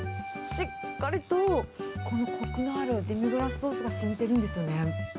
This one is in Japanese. しっかりとこのこくがあるデミグラスソースがしみてるんですよね。